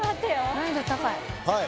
難易度高いはい